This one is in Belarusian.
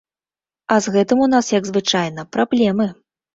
А з гэтым у нас, як звычайна, праблемы.